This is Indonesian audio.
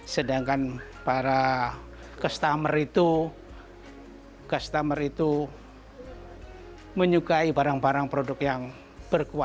sedangkan para customer itu menyukai barang barang produk yang berkuasa